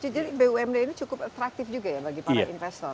bumd ini cukup atraktif juga ya bagi para investor